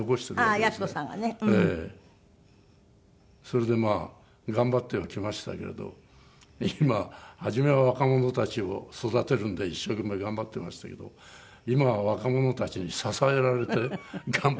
それでまあ頑張ってはきましたけれど今初めは若者たちを育てるので一生懸命頑張ってましたけど今は若者たちに支えられて頑張っております。